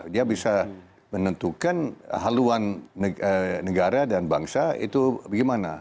dia bisa menentukan haluan negara dan bangsa itu bagaimana